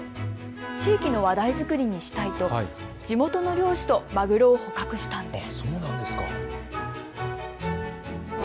地域の話題作りにしたいと地元の漁師とマグロを捕獲したんです。